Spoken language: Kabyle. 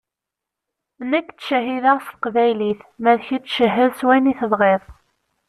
Nekk ttcehhideɣ s teqbaylit, ma d kečč cehhed s wayen i tebɣiḍ.